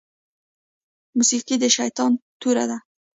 موسيقي د شيطان توره ده